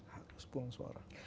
harus buang suara